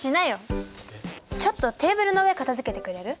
ちょっとテーブルの上片づけてくれる？